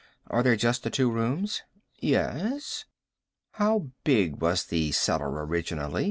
Are there just the two rooms?" "Yes." "How big was the cellar originally?